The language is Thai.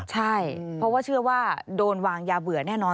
ใช่เพราะว่าเชื่อว่าโดนวางยาเบื่อแน่นอน